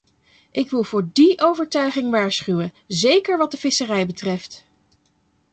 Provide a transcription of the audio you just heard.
Ik wil voor die overtuiging waarschuwen, zeker wat de visserij betreft.